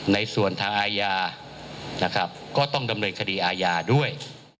ในส่วนทางอาญานะครับก็ต้องดำเนินคดีอาญาด้วย